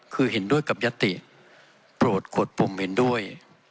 คือเห็นด้วยกับยติโปรดขดปุ่มเห็นด้วย